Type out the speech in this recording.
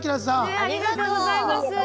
ありがとうございます。